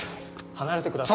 離れてください。